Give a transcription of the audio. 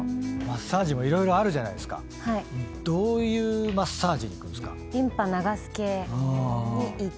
マッサージも色々あるじゃないですかどういうマッサージに行くんですか？に行ったりしますね。